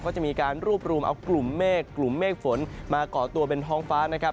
ก็จะมีการรวบรวมเอากลุ่มเมฆกลุ่มเมฆฝนมาก่อตัวเป็นท้องฟ้านะครับ